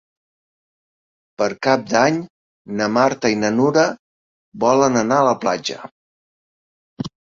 Per Cap d'Any na Marta i na Nura volen anar a la platja.